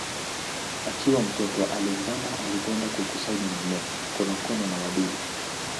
Akiwa mtoto Alexander alipenda kukusanya mimea, konokono na wadudu.